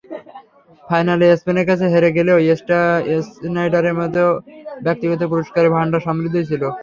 ফাইনালে স্পেনের কাছে হেরে গেলেও স্নাইডারের ব্যক্তিগত পুরস্কারে ভান্ডার সমৃদ্ধই ছিল।